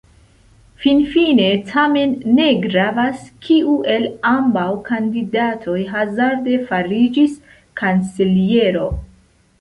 Finfine tamen ne gravas, kiu el ambaŭ kandidatoj hazarde fariĝis kanceliero.